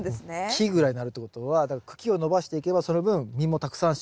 木ぐらいになるってことはだから茎を伸ばしていけばその分実もたくさん収穫できると。